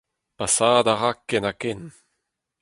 Pasaat a ra ken ha ken.